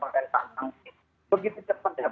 begitu cepat datang dan kemudian begitu cepat turun